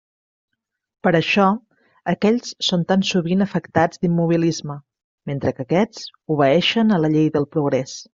Per això aquells són tan sovint afectats d'immobilisme, mentre que aquests obeeixen a la llei del progrés.